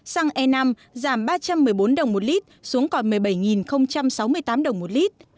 xăng e năm giảm ba trăm một mươi bốn đồng một lit xuống còn một mươi bảy sáu mươi tám đồng một lít